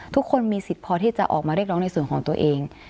ทุกคนมีสิทธิ์พอที่จะออกมาเรียกร้องในส่วนของตัวเอง